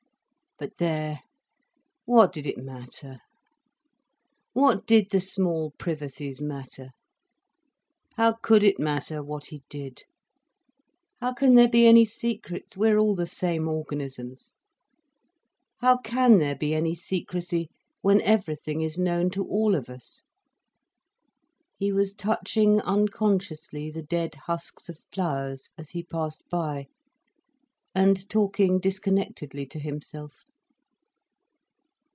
But there, what did it matter? What did the small privacies matter? How could it matter, what he did? How can there be any secrets, we are all the same organisms? How can there be any secrecy, when everything is known to all of us? He was touching unconsciously the dead husks of flowers as he passed by, and talking disconnectedly to himself.